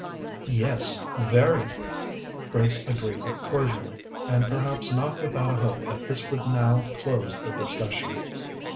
"Yes, very," Grace agreed cordially, and perhaps not without a hope that this would now close the discussion.